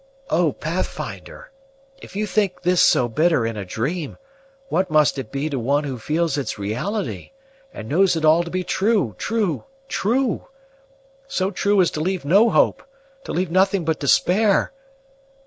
"Oh, Pathfinder! If you think this so bitter in a dream, what must it be to one who feels its reality, and knows it all to be true, true, true? So true as to leave no hope; to leave nothing but despair!"